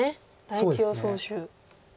第１予想手。